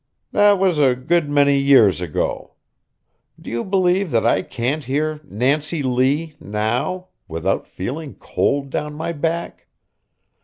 That was a good many years ago. Do you believe that I can't hear "Nancy Lee" now, without feeling cold down my back?